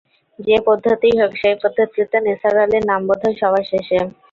যে- পদ্ধতিই হোক, সেই পদ্ধতিতে নিসার আলির নাম বোধহয় সবার শেষে।